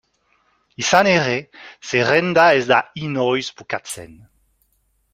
Izan ere, zerrenda ez da inoiz bukatzen.